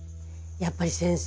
やっぱり先生